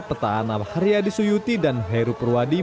peta anab haryadi suyuti dan heru purwadi